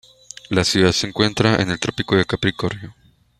La ciudad se encuentra en el Trópico de Capricornio.